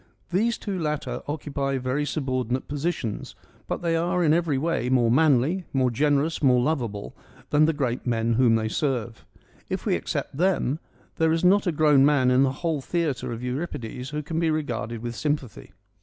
These two latter occupy very subordinate positions, but they are in every way more manly, more generous, more lovable than the great men whom they serve. If we except them, there is not a grown man in the whole theatre of Euripides who can be regarded with sympathy.